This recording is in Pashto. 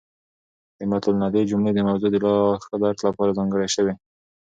د مط الندې جملې د موضوع د لاښه درک لپاره ځانګړې شوې.